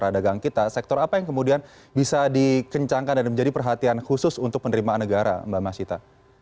kita sektor apa yang kemudian bisa dikencangkan dan menjadi perhatian khusus untuk penerimaan negara mbak masita